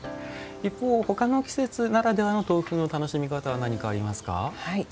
一方ほかの季節ならではの豆腐の楽しみ方は何かありますか？